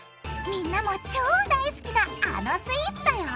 みんなも超大好きなあのスイーツだよ！